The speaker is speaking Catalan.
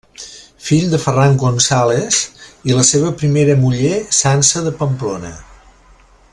Fill de Ferran González i la seva primera muller Sança de Pamplona.